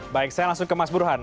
baik saya langsung ke mas burhan